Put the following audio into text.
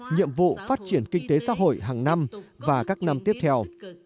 nhiệm vụ phát triển kinh tế xã hội hàng năm và các năm tiếp theo